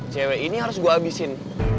cewek ini harus gue habisin